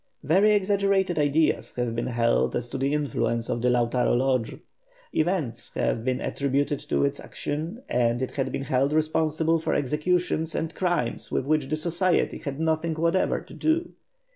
Very exaggerated ideas have been held as to the influence of the Lautaro Lodge. Events have been attributed to its action and it has been held responsible for executions and crimes with which the Society had nothing whatever to do.